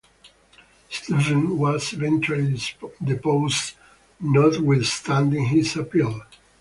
Stephen was eventually deposed, notwithstanding his appeal.